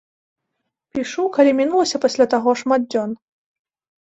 Пішу, калі мінулася пасля таго шмат дзён.